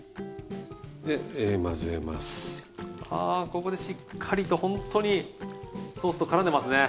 ここでしっかりとほんとにソースとからんでますね。